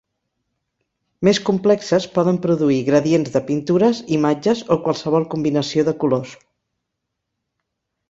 Més complexes poden produir gradients de pintures, imatges, o qualsevol combinació de colors.